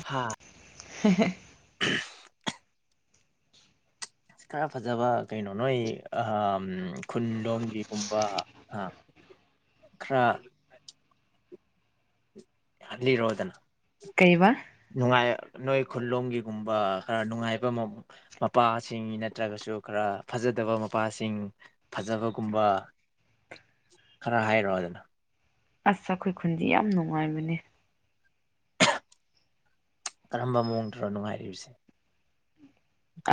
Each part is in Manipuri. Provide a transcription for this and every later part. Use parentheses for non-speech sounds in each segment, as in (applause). ꯍꯥ ꯈꯔ ꯐꯖꯕ ꯀꯩꯅꯣ ꯅꯣꯏ ꯈꯨꯟꯂꯣꯝꯒꯤꯒꯨꯝꯕ ꯈꯔ ꯑꯗꯤ ꯏꯔꯣꯗꯅ ꯀꯩꯕꯥ ꯅꯨꯡꯉꯥꯏ ꯅꯣꯏ ꯈꯨꯜꯂꯣꯝꯒꯤꯒꯨꯝꯕ ꯈꯔ ꯅꯨꯡꯉꯥꯏꯕ ꯃꯄꯥꯁꯤꯡ ꯅꯠꯇ꯭ꯔꯒꯁꯨ ꯈꯔ ꯐꯖꯗꯕ ꯃꯄꯥꯁꯤꯡ ꯐꯖꯕꯒꯨꯝꯕ ꯈꯔ ꯍꯥꯏꯔꯣꯗꯅ ꯑꯁ ꯑꯩꯈꯣꯏ ꯈꯨꯟꯗꯤ ꯌꯥꯝ ꯅꯨꯡꯉꯥꯏꯕꯅꯦ ꯀꯔꯝꯕ ꯃꯑꯣꯡꯗꯅꯣ ꯅꯨꯡꯉꯥꯏꯔꯤꯕꯁꯦ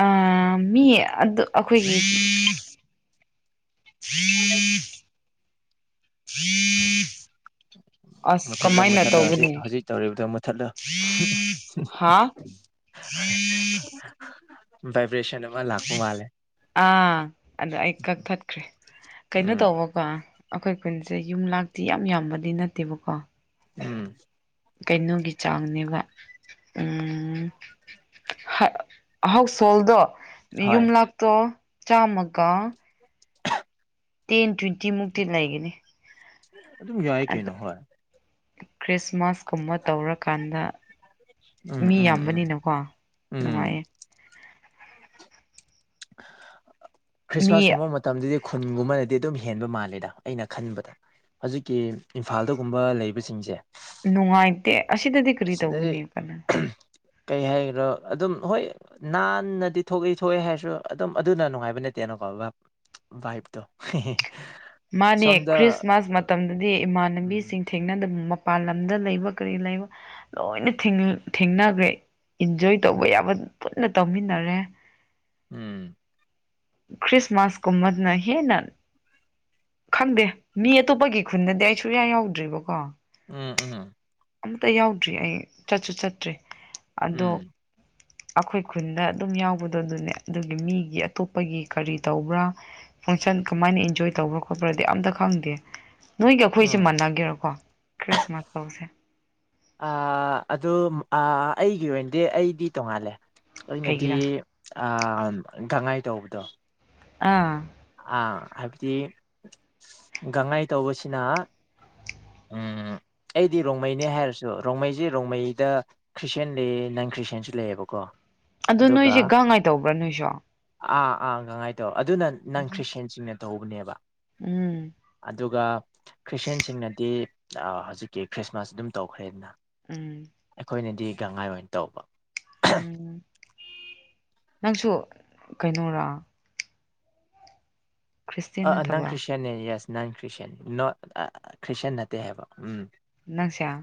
ꯑꯥ ꯃꯤ ꯑꯗꯨ ꯑꯩꯈꯣꯏꯒꯤ ꯑꯁ ꯃꯨꯊꯠꯂ ꯀꯃꯥꯏꯅ ꯃꯊꯠꯂ ꯍꯧꯖꯤꯛ ꯇꯧꯒꯅꯤ ꯍꯧꯖꯤꯛ ꯇꯧꯔꯤꯕꯗꯣ ꯃꯨꯊꯠꯂ ꯍꯥ ꯚꯕ꯭ꯔꯦꯁꯟ ꯑꯥ ꯑꯗꯨ ꯑꯩ ꯀꯛꯊꯠꯈ꯭ꯔꯦ ꯀꯩꯅꯣ ꯎꯝ ꯇꯧꯕꯀꯣ ꯑꯩꯈꯣꯏ ꯀꯨꯟꯁꯦ ꯌꯨꯝ ꯂꯥꯛꯇꯤ ꯌꯥꯝ ꯌꯥꯝꯕꯗꯤ ꯅꯠꯇꯦꯕꯀꯣ ꯎꯝ ꯀꯩꯅꯣꯒꯤ ꯆꯥꯡꯅꯦꯕ ꯎꯝ ꯍꯥꯎꯁꯣꯜꯗꯣ ꯍꯣꯏ ꯌꯨꯝ ꯂꯥꯛꯇꯣ ꯆꯃꯒ (unintelligible) ꯇꯦꯟ ꯇ꯭ꯋꯦꯟꯇꯤ ꯃꯨꯛꯇꯤ ꯂꯩꯒꯅꯤ ꯑꯗꯨꯝ ꯌꯥꯏ ꯀꯩꯩꯅꯣ ꯍꯣꯏ ꯈ꯭ꯔꯤꯁꯃꯥꯁ ꯀꯨꯝꯕ ꯇꯧꯔꯀꯥꯟꯗ ꯎꯝ ꯃꯤ ꯎꯝ ꯎꯝ ꯌꯥꯝꯕꯅꯤꯅꯀꯣ ꯎꯝ ꯅꯨꯡꯉꯥꯏꯌꯦ (inaudible) ꯈ꯭ꯔꯤꯁꯃꯥꯁ ꯃꯤ ꯀꯨꯝꯕ ꯃꯇꯝꯗꯗꯤ ꯈꯨꯟꯒꯨꯝꯕꯅꯗꯤ ꯑꯗꯨꯝ ꯍꯦꯟꯕ ꯃꯥꯜꯂꯦꯗ ꯑꯩꯅ ꯈꯟꯕꯗ ꯍꯧꯖꯤꯛꯀꯤ ꯏꯝꯐꯥꯜꯗꯒꯨꯝꯕ ꯂꯩꯕꯁꯤꯡꯁꯦ ꯅꯨꯡꯉꯥꯏꯇꯦ ꯑꯁꯤꯗꯗꯤ ꯀꯔꯤ ꯑꯁꯤꯗꯗꯤ ꯇꯧꯒꯅꯤ ꯀꯅꯥ ꯀꯩ ꯍꯥꯏꯈꯔꯣ ꯑꯗꯨꯝ ꯍꯣꯏ ꯅꯥꯟꯅꯗꯤ ꯊꯣꯛꯏ ꯊꯣꯛꯑꯦ ꯍꯥꯏꯔꯁꯨ ꯑꯗꯨꯝ ꯑꯗꯨꯅ ꯅꯨꯡꯉꯥꯏꯕ ꯅꯠꯇꯦꯅꯀꯣ ꯚꯥꯏꯞꯇꯣ ꯃꯥꯅꯦ ꯁꯣꯝꯗ ꯈ꯭ꯔꯤꯁꯃꯥꯁ ꯃꯇꯝꯗꯗꯤ ꯎꯝ ꯏꯃꯥꯟꯅꯕꯤꯁꯤꯡ ꯊꯦꯡꯅꯗꯕ ꯃꯄꯥꯥꯟ ꯂꯝꯗ ꯂꯩꯕ ꯀꯔꯤ ꯂꯩꯕ ꯂꯣꯏꯅ ꯊꯦꯡꯅꯈ꯭ꯔꯦ ꯏꯟꯖꯣꯏ ꯇꯧꯕ ꯌꯥꯕ ꯄꯨꯟꯅ ꯇꯧꯃꯤꯟꯅꯔꯦ ꯎꯝ ꯈꯔꯤꯁꯃꯥꯁ ꯀꯨꯝꯕꯅ ꯍꯦꯟꯅ ꯈꯪꯗꯦ ꯃꯤ ꯑꯇꯣꯞꯄꯒꯤ ꯈꯨꯟꯗꯗꯤ ꯑꯩ ꯁꯨꯡꯌꯥ ꯌꯥꯎꯗ꯭ꯔꯤꯕꯀꯣ ꯎꯝ ꯎꯝ ꯑꯃꯇ ꯌꯥꯎꯗ꯭ꯔꯤ ꯑꯩ ꯆꯠꯁꯨ ꯆꯠꯇ꯭ꯔꯦ ꯑꯗꯣ ꯎꯝ ꯑꯩꯈꯣꯏ ꯈꯨꯟꯗꯥ ꯑꯗꯨꯝ ꯌꯥꯎꯕꯗꯣ ꯑꯗꯨꯅꯦ ꯑꯗꯨꯒꯤ ꯃꯤꯒꯤ ꯑꯇꯣꯞꯄꯒꯤ ꯀꯔꯤ ꯇꯧꯕ꯭ꯔꯥ ꯐꯪꯁꯟ ꯀꯃꯥꯏꯅ ꯏꯟꯖꯣꯏ ꯇꯧꯕ꯭ꯔꯣ ꯈꯣꯠꯄ꯭ꯔꯗꯤ ꯑꯝꯇ ꯈꯪꯗꯦ ꯅꯣꯏꯒ ꯑꯩꯈꯣꯏꯁꯦ ꯎꯝ ꯃꯥꯟꯟꯅꯒꯦꯔꯀꯣ ꯈ꯭ꯔꯤꯁꯃꯥꯁ ꯇꯧꯁꯦ ꯑꯥ ꯑꯗꯨ ꯑꯥ ꯑꯩꯒꯤ ꯑꯣꯏꯅ ꯗꯤ ꯑꯩꯗꯤ ꯇꯣꯡꯉꯥꯜꯂꯦ ꯑꯩꯅꯗꯤ ꯀꯩꯒꯤꯔꯥ ꯑꯥ ꯒꯉꯥꯏ ꯇꯧꯕꯗꯣ ꯑꯥ ꯑꯥ ꯍꯥꯏꯕꯗꯤ ꯒꯥꯡꯉꯥꯏ ꯇꯧꯕꯁꯤꯅ ꯑꯩꯗꯤ ꯔꯣꯡꯃꯩꯅꯦ ꯍꯥꯏꯔꯁꯨ ꯔꯣꯡꯃꯩꯁꯤ ꯔꯣꯡꯃꯩꯗ ꯈ꯭ꯔꯤꯁꯇꯌꯥꯦꯟ ꯂꯩꯌꯦ ꯅꯟ ꯈ꯭ꯔꯤꯁꯇꯦꯟꯟꯁꯨ ꯂꯩꯌꯦꯕꯀꯣ ꯑꯗꯨ ꯑꯗꯨꯒ ꯅꯣꯏꯁꯦ ꯒꯥꯡꯉꯥꯏ ꯇꯧꯕ꯭ꯔꯥ ꯅꯣꯏꯁꯨ ꯑꯥ ꯑꯥ ꯒꯥꯡꯉꯥꯏ ꯇꯧ ꯑꯗꯨꯅ ꯅꯟ ꯈ꯭ꯔꯤꯁꯇꯦꯟꯁꯤꯡꯅ ꯇꯧꯕꯅꯦꯕ ꯎꯝ ꯑꯗꯨꯒꯥ ꯈ꯭ꯔꯤꯁꯇꯦꯟꯁꯤꯡꯅꯗꯤ ꯍꯧꯖꯤꯛꯀꯤ ꯈ꯭ꯔꯤꯁꯃꯥꯁ ꯑꯗꯨꯝ ꯇꯧꯈ꯭ꯔꯦꯗꯅ ꯎꯝ ꯑꯩꯈꯣꯏꯅꯗꯤ ꯒꯪꯍꯥꯏ ꯑꯣꯏꯅ ꯇꯧꯕ ꯎꯝ ꯅꯪꯁꯨ ꯀꯩꯅꯣꯔ ꯑ ꯅꯪ ꯅꯠꯇꯕ꯭ꯔꯥ ꯈ꯭ꯔꯤꯁꯌꯥꯅꯦ ꯌꯦꯁ ꯅꯟ ꯈ꯭ꯔꯤꯁꯟ ꯈ꯭ꯔꯤꯁꯇꯌꯥꯟ ꯅꯠꯇꯦ ꯍꯥꯏꯕ ꯎꯝ ꯅꯪꯁꯦ ꯑꯣ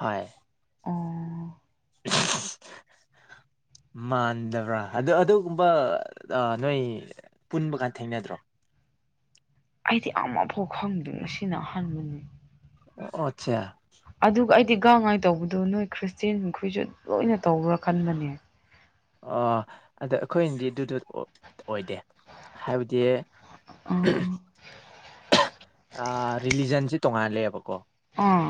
ꯍꯣꯏ ꯎꯝ ꯃꯥꯟꯗꯕ꯭ꯔꯥ ꯑꯗꯨ ꯑꯗꯨꯒꯨꯝꯕ ꯅꯣꯏ ꯄꯨꯟꯕ ꯀꯥꯟ ꯊꯦꯡꯅꯗ꯭ꯔꯣ ꯑꯩꯗꯤ ꯑꯃꯐꯥꯎ ꯈꯪꯗꯦ ꯑꯁꯤꯅ ꯑꯍꯥꯟꯕꯅꯤ ꯑꯣ ꯑꯆꯥ ꯑꯗꯨ ꯑꯩꯗꯤ ꯒꯥꯡꯉꯥꯏ ꯇꯧꯕꯗꯣ ꯅꯣꯏ ꯈ꯭ꯔꯤꯁꯇꯦꯟ ꯃꯈꯣꯏꯁꯨ ꯂꯣꯏꯅ ꯇꯧꯕꯔꯥ ꯈꯟꯕꯅꯦ ꯑꯣ ꯑꯗ ꯑꯩꯈꯣꯏꯅꯗꯤ ꯑꯗꯨꯗꯨ ꯑꯣꯏꯗꯦ ꯍꯥꯏꯕꯗꯤ ꯑꯥ ꯔꯤꯂꯤꯖꯟꯁꯤ ꯇꯣꯉꯥꯂꯦꯕꯀꯣ ꯑꯥ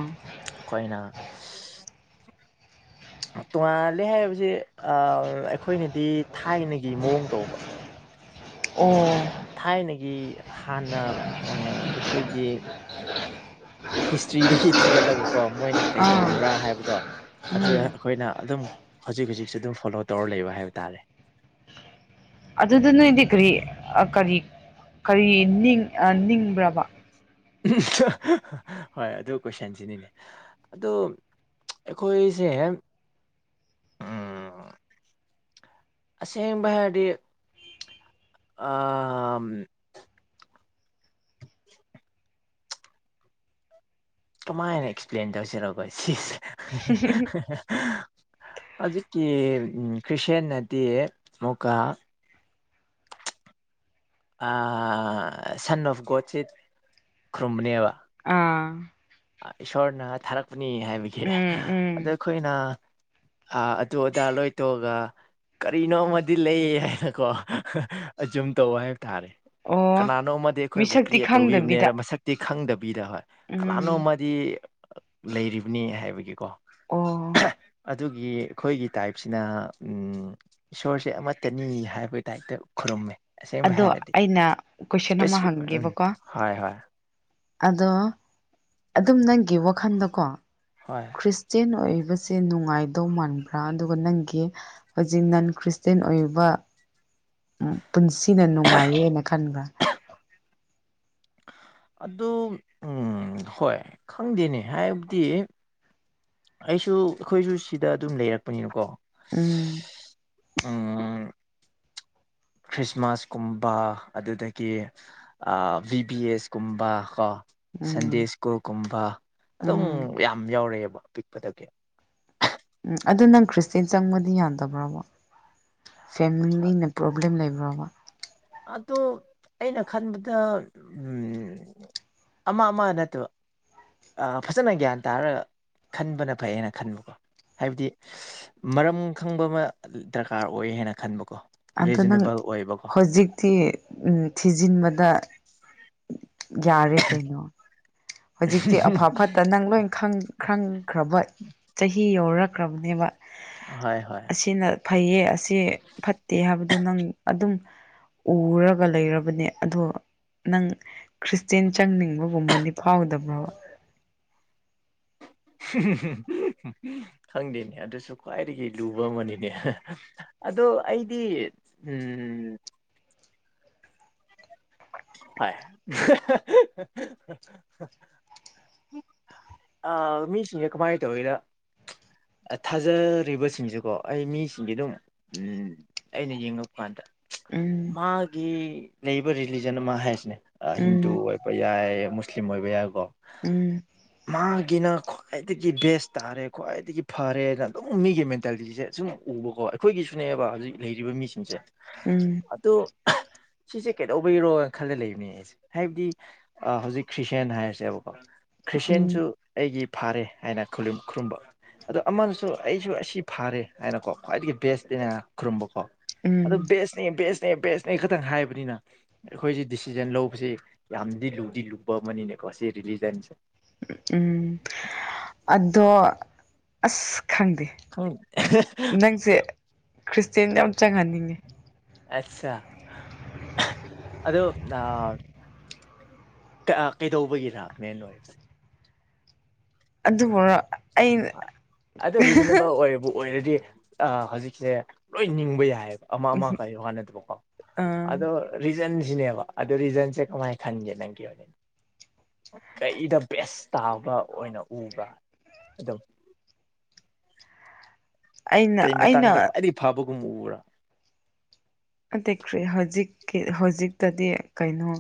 ꯇꯣꯉꯥꯂꯦ ꯍꯥꯏꯕꯁꯦ ꯑꯩꯈꯣꯏꯅꯗꯤ ꯊꯥꯏꯅꯒꯤ ꯃꯑꯣꯡ ꯇꯧꯕ ꯑꯣ ꯊꯥꯏꯅꯒꯤ ꯍꯥꯟꯅ ꯑꯩꯈꯣꯏꯒꯤ ꯍꯤꯁꯇ꯭ꯔꯤꯗꯒꯤ ꯊꯤꯒꯠꯂꯕ ꯀꯣ ꯃꯣꯏꯅ ꯀꯩ ꯑꯥ ꯇꯧꯔꯝꯕ꯭ꯔꯥ ꯍꯥꯏꯕꯗꯣ ꯑꯗꯨꯗ ꯎꯝ ꯑꯩꯈꯣꯏꯅ ꯑꯗꯨꯝ ꯍꯧꯖꯤꯛ ꯍꯧꯖꯤꯛꯁꯨ ꯑꯗꯨꯝ ꯐꯣꯂꯣ ꯇꯧꯔ ꯂꯩꯕ ꯍꯥꯏꯕ ꯇꯥꯔꯦ ꯑꯗꯨꯗ ꯅꯣꯏꯗꯤ ꯀ꯭ꯔꯤ ꯀꯔꯤ ꯀꯔꯤ ꯅꯤꯡ ꯅꯤꯡꯕ꯭ꯔꯕ ꯍꯣꯏ ꯑꯗꯨ ꯀꯣꯏꯁꯟꯁꯤꯅꯤꯅꯦ ꯑꯗꯣ ꯑꯩꯈꯣꯏꯁꯦ ꯑꯁꯦꯡꯕ ꯍꯥꯏꯔꯗꯤ ꯀꯃꯥꯏꯅ ꯑꯦꯛꯁꯄ꯭ꯂꯦꯟ ꯇꯧꯁꯦꯔꯥ ꯁꯤꯁꯦ ꯍꯧꯖꯤꯛꯀꯤ ꯎꯝ ꯀꯔ꯭ꯤꯁꯦꯟꯅꯗꯤ ꯃꯨꯀ ꯁꯟ ꯑꯣꯐ ꯒꯣꯠꯁꯤ ꯈꯨꯔꯨꯝꯕꯅꯦꯕ ꯑꯥ ꯏꯁꯣꯔꯅ ꯊꯥꯔꯛꯄ ꯅꯤ ꯍꯥꯏꯕꯒꯤ ꯎꯝ ꯑꯗ ꯎꯝ ꯑꯩꯈꯣꯏꯅ ꯑ ꯑꯗꯨ ꯑꯗꯥ ꯂꯣꯏꯊꯣꯛꯑꯒ ꯀꯔꯤꯅꯣꯃ ꯂꯩ ꯍꯥꯏꯅꯀꯣ ꯑꯆꯨꯝ ꯇꯧ ꯍꯥꯏ ꯇꯔꯦ ꯑꯣ ꯀꯅꯥꯅꯣꯝꯃꯗꯤ ꯑꯩꯈꯣꯏꯕꯨ ꯃꯤꯁꯛꯇꯤ ꯀ꯭ꯔꯤꯌꯦꯠ ꯇꯧꯕꯤꯕꯅꯦꯅ ꯈꯪꯗꯕꯤꯗ ꯃꯁꯛꯇꯤ ꯈꯪꯗꯕꯤꯗ ꯍꯣꯏ ꯂꯅꯣ ꯎꯝ ꯃꯗꯤ ꯂꯩꯔꯤꯕꯅꯤ ꯍꯥꯏꯕꯒꯤꯀꯣ ꯑꯣ (unintelligible) ꯑꯗꯨꯒꯤ ꯑꯩꯈꯣꯏꯒꯤ ꯇꯥꯏꯞꯁꯤꯅ ꯏꯁꯣꯔꯁꯦ ꯑꯃꯠꯇꯅꯤ ꯍꯥꯏꯕ ꯇꯥꯏꯞꯇ ꯈꯨꯔꯨꯝꯃꯦ ꯑꯁꯦꯡꯕ ꯑꯗꯣ ꯍꯥꯏꯔꯗꯤ ꯑꯩꯅ ꯀꯣꯏꯁꯟ ꯑꯃ ꯏꯁꯄꯦꯁꯤꯐꯤꯛ ꯑꯣꯏꯔꯥ ꯎꯝ ꯍꯪꯒꯦꯕꯀꯣ ꯍꯣꯏ ꯍꯣꯏ ꯑꯗꯣ ꯑꯗꯨꯝ ꯅꯪꯒꯤ ꯋꯥꯈꯜꯗꯀꯣ ꯍꯣꯏ ꯈ꯭ꯔꯤꯁꯇꯦꯟ ꯑꯣꯏ ꯁꯦ ꯅꯨꯡꯉꯥꯏꯗꯧ ꯃꯥꯟꯕ꯭ꯔꯥ ꯑꯗꯨꯒ ꯅꯪꯒꯤ ꯍꯧꯖꯤꯛ ꯅꯟ ꯈ꯭ꯔꯤꯁꯇꯦꯟ ꯑꯣꯏꯕ ꯄꯨꯟꯁꯤ ꯁꯤꯅ ꯅꯨꯡꯉꯥꯏꯌꯦꯅ ꯈꯟꯕ ꯑꯗꯨ ꯎꯝ ꯍꯣꯏ ꯈꯪꯗꯦꯅꯦ ꯍꯥꯏꯕꯗꯤ ꯑꯩꯁꯨ ꯑꯩꯈꯣꯏꯁꯨ ꯁꯤꯗ ꯑꯗꯨꯝ ꯂꯩꯔꯛꯄꯅꯤꯅꯀꯣ ꯎꯝ ꯎꯝ ꯈ꯭ꯔꯤꯁꯃꯥꯁ ꯀꯨꯝꯕ ꯑꯗꯨꯗꯒꯤ ꯑ ꯕꯤ ꯕꯤ ꯑꯦꯁ ꯀꯨꯝꯕ ꯀꯣ ꯁꯟꯗꯦ ꯎꯝ ꯁ꯭ꯀꯨꯜ ꯀꯨꯝꯕ ꯑꯗꯨꯝ ꯎꯝ ꯌꯥꯝ ꯌꯥꯎꯔꯛꯑꯦꯕ ꯑꯄꯤꯛꯄꯗ ꯀꯌꯥ ꯎꯝ ꯑꯗꯨ ꯅꯪ ꯈ꯭ꯔꯤꯁꯇꯦꯟ ꯆꯪꯕꯗꯤ ꯌꯥꯗꯕ꯭ꯔꯥꯕ ꯐꯦꯝꯂꯤꯅ ꯄ꯭ꯔꯣꯕ꯭ꯂꯦꯝ ꯂꯩꯕ (unintelligible) ꯑꯗꯣ ꯑꯩꯅ ꯈꯟꯕꯗ ꯎꯝ ꯑꯃ ꯑꯃ ꯅꯠꯇꯕ ꯐꯖꯅ ꯒ꯭ꯌꯥꯟ ꯇꯥꯔꯒ ꯈꯟꯕꯅ ꯐꯩ ꯍꯥꯏꯅ ꯈꯟꯕꯀꯣ ꯍꯥꯏꯕꯗꯤ ꯃꯔꯝ ꯈꯪꯕ ꯑꯃ ꯗꯔꯀꯥꯔ ꯑꯣꯏ ꯍꯥꯏꯅ ꯈꯟꯕ ꯀꯣ ꯔꯤꯖꯅꯦꯕꯜ ꯑꯣꯏꯕ ꯀꯣ ꯇꯤ ꯎꯝ ꯊꯤꯖꯤꯟꯕꯗ ꯌꯥꯔꯦ ꯀꯩꯅꯣ ꯍꯧꯖꯤꯛꯇꯤ ꯑꯐ ꯐꯠꯇ ꯅꯪ ꯂꯣꯏ ꯈꯪ ꯈꯪꯈ꯭ꯔꯕ ꯆꯍꯤ ꯌꯧꯔꯛ ꯈ꯭ꯔꯕꯅꯦꯕ ꯍꯣꯏ ꯍꯣꯏ ꯐꯩꯌꯦ ꯑꯁꯤ ꯐꯠꯇꯦ ꯍꯥꯏꯕꯗꯨ ꯅꯪ ꯑꯗꯨꯝ ꯎꯔꯒ ꯂꯩꯔꯕꯅꯦ ꯑꯗꯣ ꯅꯪ ꯈ꯭ꯔꯤꯁꯇꯦꯟ ꯆꯪꯅꯤꯡꯕꯒꯨꯝꯕꯗꯤ ꯐꯥꯎꯗꯕ꯭ꯔꯣ ꯍꯨꯝ ꯍꯨꯝ ꯍꯨꯝ ꯍꯨꯝ ꯍꯍ ꯈꯪꯗꯦꯅꯦ ꯑꯗꯨꯁꯨ ꯈ꯭ꯋꯥꯏꯗꯒꯤ ꯂꯨꯕ ꯑꯃꯅꯤꯅꯦ ꯑꯗꯣ ꯑꯩꯗꯤ ꯎꯝ ꯍꯣꯏ ꯑ ꯍꯍꯍ ꯍꯍ ꯍ ꯍꯍ ꯑ ꯃꯤꯁꯤꯡꯁꯦ ꯀꯃꯥꯏꯅ ꯇꯧꯒꯦꯗ ꯊꯥꯖꯔꯤꯕꯁꯤꯡꯁꯤꯀꯣ ꯑꯩ ꯃꯤꯁꯤꯡꯁꯦ ꯑꯗꯨꯝ ꯑꯩꯅ ꯌꯦꯡꯉꯛꯄ ꯀꯥꯟꯗ ꯎꯝ ꯃꯥꯒꯤ ꯂꯩꯕ ꯔꯤꯂꯤ ꯖꯟꯅꯃ ꯍꯥꯏꯁꯤꯅꯦ ꯑ ꯍꯤꯟꯗꯨ ꯎꯝ ꯑꯣꯏꯕ ꯌꯥꯏ ꯃꯨꯁꯂꯤꯝ ꯑꯣꯏꯕ ꯌꯥꯏꯀꯣ ꯎꯝ ꯒꯤꯅ ꯈ꯭ꯋꯥꯏꯗꯒꯤ ꯕꯦꯁ ꯇꯥꯔꯦ ꯈ꯭ꯋꯥꯏꯗꯒꯤ ꯐꯔꯦꯅ ꯑꯗꯨꯝ ꯃꯤꯒꯤ ꯃꯦꯟꯇꯥꯂꯤꯇꯤꯁꯦ ꯁꯨꯝ ꯎꯕꯀꯣ ꯑꯈꯣꯏꯒꯤꯁꯨꯅꯦꯕ ꯍꯧꯖꯤꯛ ꯂꯩꯔꯤꯕ ꯃꯤꯁꯤꯡꯁꯦ ꯎꯝ ꯑꯗꯣ ꯁꯤꯁꯦ ꯀꯩꯗꯧ ꯕꯩꯔꯣꯅ ꯈꯜꯂ ꯂꯩꯕꯅꯦ ꯑꯩꯁꯦ ꯍꯥꯏꯕꯗꯤ ꯍꯧꯖꯤꯛ ꯈ꯭ꯔꯤꯁꯌꯥꯟ ꯍꯥꯏꯔꯁꯦꯕꯀꯣ ꯎꯝ ꯈ꯭ꯔꯤꯁꯇꯦꯟꯁꯨ ꯑꯩꯒꯤ ꯐꯥꯔꯦ ꯍꯥꯏꯅ ꯈꯨꯨꯔꯨꯝ ꯈꯨꯔꯨꯝꯕ ꯑꯗꯣ ꯑꯃꯅꯁꯨ ꯑꯩꯁꯨ ꯑꯁꯤ ꯐꯥꯔꯦ ꯍꯥꯏꯅꯀꯣ ꯈ꯭ꯋꯥꯏꯗꯒꯤ ꯕꯦꯁ ꯅꯦꯅ ꯈꯨꯔꯨꯝꯕ ꯎꯝ ꯑꯗꯨ ꯕꯦꯁꯅꯦ ꯕꯦꯁ ꯕꯦꯁꯅꯦ ꯈꯛꯇꯪ ꯍꯥꯏꯕꯅꯤꯅ ꯑꯩꯈꯣꯏꯁꯤ ꯗꯤꯁꯤꯖꯟ ꯂꯧꯕꯁꯤ ꯌꯥꯝꯗꯤ ꯂꯨꯗꯤ ꯂꯨꯕ ꯑꯃꯅꯤꯅꯦꯀꯣ ꯁꯤ ꯔꯤꯂꯤꯖꯟꯁꯦ ꯎꯝ ꯑꯗꯣ ꯑꯁ ꯈꯪꯗꯦ ꯈꯪ ꯅꯪꯁꯦ ꯈ꯭ꯔꯤꯁꯇꯦꯟꯗ ꯌꯥꯝ ꯆꯪꯍꯟꯅꯤꯡꯉꯦ ꯑꯠꯆꯥ ꯑꯗꯣ ꯀꯩꯗꯧꯕꯒꯤꯔ ꯃꯦꯟ ꯑꯣꯏꯔꯤꯕꯁꯦ ꯑꯗꯨ ꯑꯗꯨꯕꯨꯔ ꯑꯗꯨ ꯔꯤꯖꯅꯦꯕꯜ ꯑꯣꯏꯕꯨ ꯑꯣꯏꯔ ꯍꯧꯖꯤꯛꯁꯦ ꯂꯣꯏ ꯅꯤꯡꯕ ꯌꯥꯏꯑꯕ ꯑꯃꯥ ꯑꯃ ꯀꯥꯏꯣ ꯍꯅ ꯑꯗꯨꯕꯀꯣ ꯑꯗꯣ ꯔꯤꯖꯟꯁꯤꯅꯦꯕ ꯑꯗꯣ ꯔꯤꯖꯟꯁꯦ ꯀꯃꯥꯏꯅ ꯈꯟꯒꯦ ꯅꯪꯒꯤ ꯑꯣꯏꯅ ꯀꯩꯗ ꯕꯦꯁ ꯇꯥꯕ ꯑꯣꯏꯅ ꯎꯕ꯭ꯔ ꯑꯗꯨꯗꯝ ꯑꯩꯅ ꯑꯩꯅ ꯀꯒꯨꯝꯔꯥ ꯑ ꯀ꯭ꯔꯤ ꯍꯧꯖꯤꯛꯀꯤ ꯍꯧꯖꯤꯛꯇꯗꯤ ꯀꯩꯅꯣ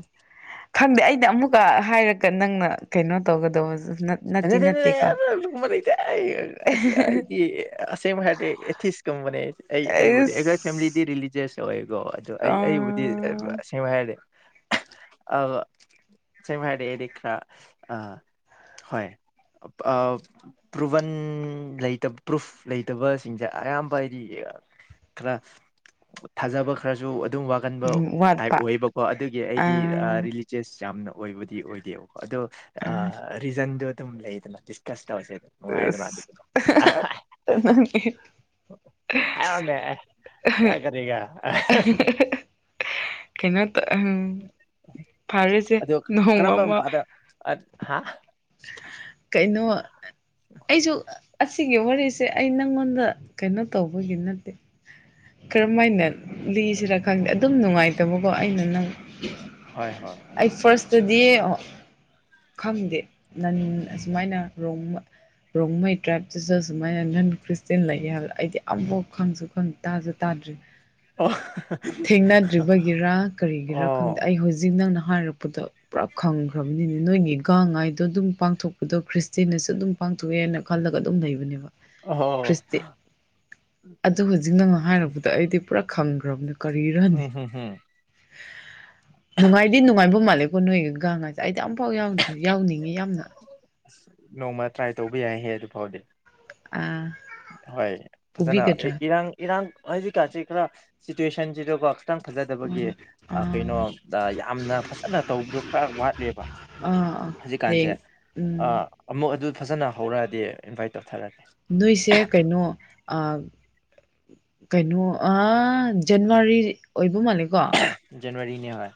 ꯈꯪꯗꯦ ꯑꯩꯗꯤ ꯑꯃꯨꯛꯀ ꯍꯥꯏꯔꯒ ꯅꯪꯅ ꯀꯩꯅꯣ ꯇꯧꯒꯗꯧꯕ ꯅꯠꯇꯤ ꯅꯠꯇꯦꯀꯣ ꯂꯩ (unintelligible) ꯑꯩ ꯑꯩꯗꯤ ꯑꯁꯦꯡꯕ ꯍꯥꯏꯔꯗꯤ ꯑꯦꯊꯤꯁꯀꯨꯝꯕꯅꯦ ꯑꯩ ꯑꯩꯕꯨꯗꯤ ꯑꯩꯖꯣꯏ ꯑꯁ ꯐꯦꯃꯤꯂꯤꯗꯤ ꯔꯤꯂꯤꯖꯁ ꯑꯣꯏꯀꯣ ꯑꯗꯣ ꯑ ꯑꯩ ꯑꯩꯕꯨꯗꯤ ꯑꯁꯦꯡꯕ ꯍꯥꯏꯔꯗꯤ ꯑ ꯆꯦꯃꯦ ꯑꯦ ꯀ꯭ꯔꯥ ꯑ ꯍꯣꯏ ꯄ꯭ꯔꯨꯚꯟꯇ ꯄ꯭ꯔꯨꯐ ꯂꯩꯇꯕꯁꯤꯡꯁꯦ ꯑꯌꯥꯝꯕ ꯍꯥꯏꯗꯤ ꯈꯔ ꯊꯥꯖꯕ ꯈꯔꯁꯨ ꯑꯗꯨꯝ ꯋꯥꯒꯟꯕ ꯇꯥꯏꯞ ꯋꯥꯠꯄ ꯑꯣꯏꯌꯦꯕꯀꯣ ꯑꯗꯨꯒꯤ ꯑ ꯑꯩꯗꯤ ꯔꯤꯂꯤꯖꯁ ꯌꯥꯝꯅ ꯑꯣꯏꯕꯗꯤ ꯑꯣꯏꯗꯦꯕ ꯑꯗꯨ ꯑꯗꯨ ꯑ ꯟꯗ ꯊꯝ ꯂꯩꯗ ꯃꯥꯗꯤꯁꯁ ꯇꯁꯤꯗ ꯎꯗ ꯃꯥ ꯍꯥꯏ ꯋꯥꯦ ꯌꯥ ꯀꯔꯤꯒ ꯀꯩꯅ ꯎꯝ ꯐꯔꯦꯁꯦ ꯑꯗꯣ ꯀꯔꯝꯕ ꯅꯣꯡꯃ ꯃꯄꯥꯗ ꯍꯥ ꯀꯩꯅꯣ ꯑꯩꯁꯨ ꯑꯁꯤꯒꯤ ꯋꯥꯔꯤꯁꯦ ꯑꯩ ꯅꯪꯉꯣꯟꯗ ꯀꯩꯅꯣ ꯇꯧꯕꯒꯤ ꯅꯠꯇꯦ ꯀꯔꯝꯍꯥꯏꯅ ꯂꯤꯁꯤꯔꯥ ꯈꯪꯗꯦ ꯑꯗꯨꯝ ꯅꯨꯡꯉꯥꯏꯇꯕꯀꯣ ꯑꯩꯅ ꯅꯪ ꯍꯣꯏ ꯍꯣꯏ ꯑꯗꯨꯗꯤ ꯈꯪꯗꯦ ꯅꯟ ꯑꯁꯨꯃꯥꯏꯅꯣꯡꯃ ꯔꯣꯡꯃꯩ ꯇ꯭ꯔꯥꯏꯞꯇꯁꯨ ꯁꯁꯨꯃꯥꯏꯅ ꯅꯟ ꯈ꯭ꯔꯤꯁꯇꯦꯟ ꯂꯩꯒꯦ ꯍꯥꯏꯕꯗ ꯑꯩꯗꯤ ꯑꯐꯥꯎ ꯈꯪꯁꯨ ꯈꯪꯗꯦ ꯇꯥꯖ ꯇꯥꯗ꯭ꯔꯤ ꯑꯣ ꯊꯦꯡꯅꯗ꯭ꯔꯤꯕꯒꯤꯔ ꯀꯔꯤꯒꯤꯔꯥ ꯑꯣ ꯈꯪꯗꯦ ꯑꯩ ꯍꯧꯖꯤꯛ ꯅꯪꯅ ꯍꯥꯏꯔꯛꯄꯗ ꯄꯨꯔꯥ ꯈꯪꯈ꯭ꯔꯕꯅꯤꯅꯦ ꯅꯣꯏꯒꯤ ꯒꯥꯡ ꯉꯥꯏꯗꯣ ꯑꯗꯨꯝ ꯄꯥꯡꯊꯣꯛꯄꯗꯣ ꯈ꯭ꯔꯤꯁꯇꯤꯟꯅꯁꯨ ꯑꯗꯨꯝ ꯄꯥꯡꯊꯣꯛꯑꯦꯅ ꯈꯜꯂꯒ ꯑꯗꯨꯝ ꯂꯩꯕꯅꯦꯕ ꯑꯣ ꯈ꯭ꯔꯤꯁꯇ ꯑꯗꯨ ꯍꯧꯖꯤ ꯅꯪꯅ ꯍꯥꯏꯔꯕꯗ ꯑꯩꯗꯤ ꯄꯨꯔꯥ ꯈꯪꯒ꯭ꯔꯕꯅ ꯀꯔꯤꯔꯅꯤ ꯎꯝ ꯍꯝ ꯍꯝ ꯅꯨꯡꯉꯥꯏꯗꯤ ꯅꯨꯡꯉꯥꯏꯕ ꯃꯥꯂꯦ ꯀꯣ ꯅꯣꯏ ꯥꯡ ꯑꯩꯗꯤ ꯑꯝꯐꯥꯎ ꯌꯥꯎꯗ꯭ꯔꯤ ꯌꯥꯎꯅꯤꯡꯉꯤ ꯌꯥꯝꯅ ꯑꯁ ꯅꯣꯡꯃ ꯇ꯭ꯔꯥꯏ ꯇꯧꯕ ꯌꯥꯏꯍꯦ ꯑꯗꯨ ꯐꯥꯎꯗꯤ ꯑ ꯍꯣꯏ ꯐꯖꯅ ꯏꯔꯥꯡ ꯏꯔꯥꯡ ꯑꯖꯤꯗꯤ ꯀꯥꯁꯤ ꯀꯂ ꯁꯤꯆꯨꯋꯦꯁꯟꯁꯤ ꯇꯕ ꯈꯤꯇꯪ ꯐꯖꯗꯕꯒꯤ ꯑꯥ ꯀꯩꯅꯣ ꯑꯥ ꯌꯥꯝꯅ ꯐꯖꯅ ꯇꯧꯕꯗꯣ ꯈꯔ ꯋꯥꯠꯂꯦꯕ ꯑꯥ ꯑꯥ ꯍꯧꯖꯤꯛꯀꯥꯟꯁꯦ ꯍꯌꯦꯡ ꯎꯝ ꯑꯃꯨꯛ ꯑꯗꯨ ꯐꯖꯅ ꯍꯧꯔꯛꯑꯗꯤ ꯏꯟꯚꯥꯏꯠ ꯇꯧꯊꯔꯒꯦ ꯅꯣꯏꯁꯦꯛ ꯀꯩꯅꯣ ꯀꯩꯅꯣ ꯑ ꯖꯅꯋꯥꯔꯤ ꯑꯣꯏꯕ ꯃꯥꯂ ꯑꯗꯨꯒꯀ ꯖꯋꯥꯔꯤ ꯅ ꯍꯣꯏ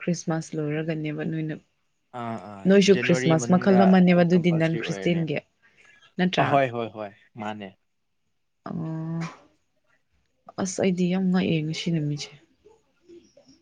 ꯈ꯭ꯔꯤꯁ ꯈ꯭ꯔꯤꯃꯥꯁ ꯂꯣꯏꯔꯒꯅꯦꯕ ꯅꯣꯏꯅ ꯑꯥ ꯑꯥ ꯅꯣꯏꯁꯨ ꯖꯅꯋꯥꯔꯤ ꯈ꯭ꯔꯤꯁꯃꯥꯁ ꯃꯈꯜ ꯃꯅꯨꯡꯗ ꯑꯃꯅꯦꯕ ꯑꯗꯨꯝ ꯑꯗꯨꯗꯤ ꯅꯟ ꯀꯝꯄꯜꯁꯔꯤ ꯑꯣꯏꯔꯅꯤ ꯈ꯭ꯔꯤꯁꯇꯦꯟꯒꯤ ꯅꯠꯇ꯭ꯔꯥ ꯑꯍꯣꯏ ꯍꯣꯏ ꯍꯣꯏ ꯃꯥꯅꯦ ꯎꯝ ꯑꯁ ꯑꯩꯗꯤ ꯌꯥꯝ ꯉꯥꯛꯑꯦ ꯉꯁꯤ ꯅꯨꯃꯤꯠꯁꯦ